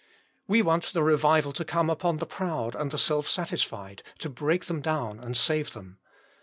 We want the revival to come upon the proud and the self satisfied, to break them down and save them.